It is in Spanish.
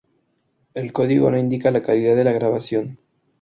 El código no indica la calidad de la grabación.